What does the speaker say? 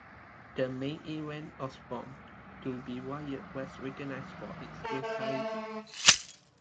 The main event of Born to be Wired was recognized for its brutality.